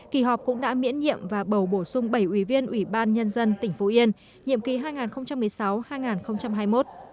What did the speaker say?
kỳ họp cũng đã miễn nhiệm và bầu bổ sung bảy ủy viên ủy ban nhân dân tỉnh phú yên nhiệm ký hai nghìn một mươi sáu hai nghìn hai mươi một